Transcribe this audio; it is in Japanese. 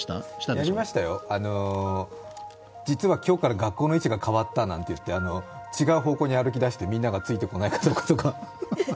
やりましたよ、実は今日から学校の位置が変わったなんて言って違う方向に歩きだしてみんながついてこないかどうかとか。